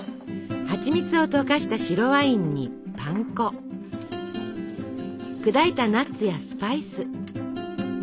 はちみつを溶かした白ワインにパン粉砕いたナッツやスパイス。